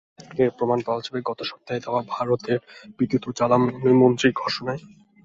এর প্রমাণ পাওয়া যাবে গত সপ্তাহে দেওয়া ভারতের বিদ্যুৎ ও জ্বালানিমন্ত্রীর ঘোষণায়।